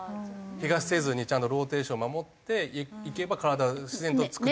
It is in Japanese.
けがせずにちゃんとローテーション守っていけば体は自然と作って。